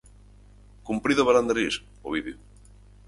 Cumprido Brandarís, Ovidio.